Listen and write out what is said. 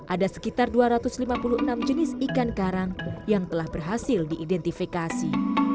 ada sekitar dua ratus lima puluh enam jenis ikan karang yang telah berhasil diidentifikasi